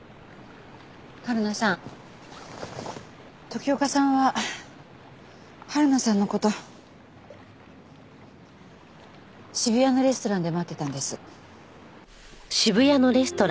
はるなさん時岡さんははるなさんの事渋谷のレストランで待ってたんです。